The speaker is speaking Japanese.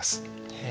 へえ。